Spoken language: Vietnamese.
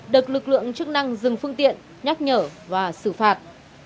được lực lượng chức năng dừng phương tiện nhắc nhở và xử phạt